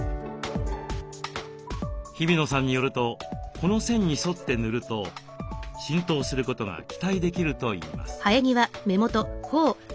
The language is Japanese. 日比野さんによるとこの線に沿って塗ると浸透することが期待できるといいます。